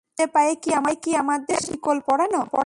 হাতে পায়ে কি আমাদের তবে শিকল পরানো?